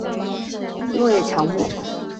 落叶乔木。